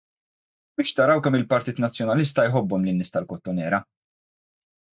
Biex taraw kemm il-Partit Nazzjonalista jħobbhom lin-nies tal-Kottonera!